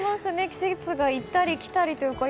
季節が行ったり来たりというか。